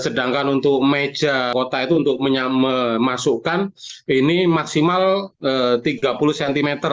sedangkan untuk meja kota itu untuk memasukkan ini maksimal tiga puluh cm